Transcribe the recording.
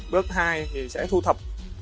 bước hai thì sẽ thu thập